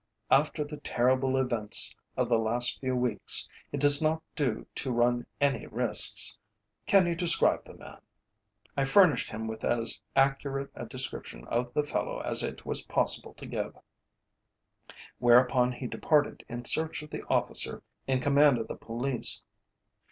After the terrible events of the last few weeks it does not do to run any risks. Can you describe the man?" I furnished him with as accurate a description of the fellow as it was possible to give, whereupon he departed in search of the officer in command of the police.